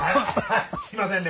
すいませんね